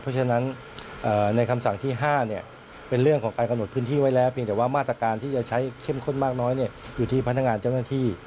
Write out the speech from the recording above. เพราะฉะนั้นในคำสั่งที่๕เป็นเรื่องของการกำหนดพื้นที่ไว้แล้วเพียงแต่ว่ามาตรการที่จะใช้เข้มข้นมากน้อยอยู่ที่พนักงานเจ้าหน้าที่